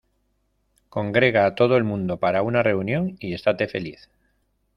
Congrega a todo el mundo para una reunión, y estate feliz.